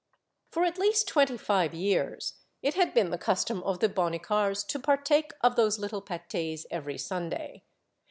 II. For at least twenty five years it had been the custom of the Bonnicars to partake of those little p^tes every Sunday.